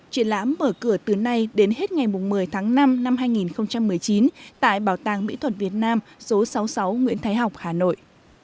triển lãm mở cửa từ nay đến hết ngày một mươi tháng năm năm hai nghìn một mươi chín tại bảo tàng mỹ thuật việt nam số sáu mươi sáu nguyễn thái học hà nội